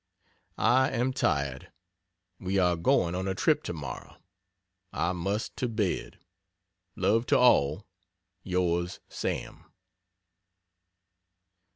I am tired. We are going on a trip, tomorrow. I must to bed. Love to all. Yrs SAM.